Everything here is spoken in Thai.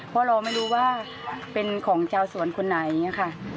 เพราะเราไม่รู้ว่าเป็นของชาวสวนคนไหนค่ะ